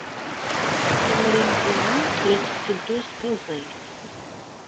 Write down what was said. Tamrint-inu la tetteddu s taẓeyt.